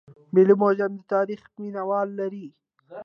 ملي موزیم د تاریخ مینه وال لري